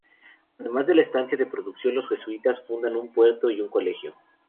Además de la estancia de producción, los Jesuitas fundan un puerto y un colegio.